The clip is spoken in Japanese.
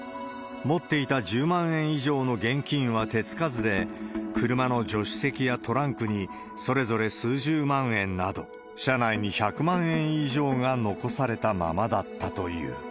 持っていた１０万円以上の現金は手付かずで、車の助手席やトランクなど、それぞれ数十万円など、車内に１００万円以上が残されたままだったという。